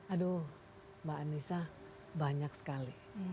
aduh mbak anissa banyak sekali